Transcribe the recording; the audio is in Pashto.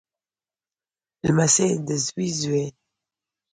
لمسی دزوی زوی